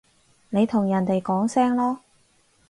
你同人哋講聲囉